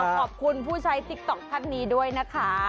ขอบคุณผู้ใช้ติ๊กต๊อกท่านนี้ด้วยนะคะ